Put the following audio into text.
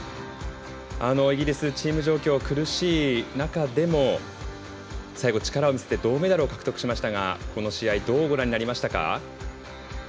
イギリスチーム状況苦しい中でも最後力を見せて銅メダルを獲得しましたがこの試合どうご覧になりましたか？